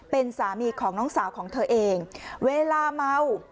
เป็นสามีของน้องสาวของเธอเองเวลาเมา